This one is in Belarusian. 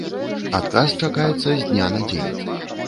Адказ чакаецца з дня на дзень.